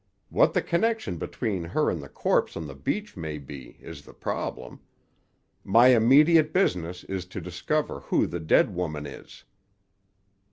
What the connection between her and the corpse on the beach may be, is the problem. My immediate business is to discover who the dead woman is."